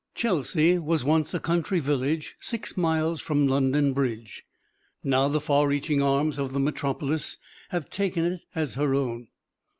Chelsea was once a country village six miles from London Bridge. Now the far reaching arms of the metropolis have taken it as her own.